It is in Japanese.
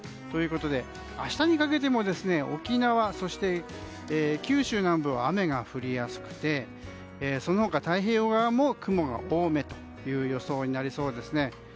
ということで、明日にかけても沖縄、そして九州南部は雨が降りやすくてその他、太平洋側も雲が多めという予想になりそうです。